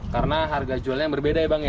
karena harga jualnya berbeda ya bang ya